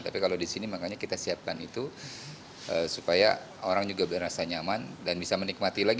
tapi kalau di sini makanya kita siapkan itu supaya orang juga berasa nyaman dan bisa menikmati lagi